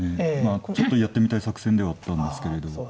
まあちょっとやってみたい作戦ではあったんですけれど。